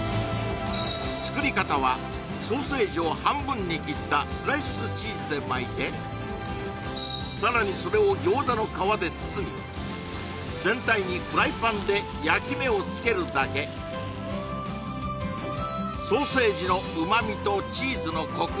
作り方はソーセージを半分に切ったスライスチーズで巻いてさらにそれを餃子の皮で包み全体にフライパンで焼き目をつけるだけソーセージの旨味とチーズのコク